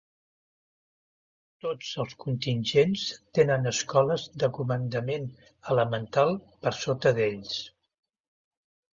Tots els contingents tenen escoles de comandament elemental per sota d'ells.